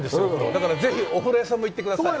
だからぜひお風呂屋さんも行ってください。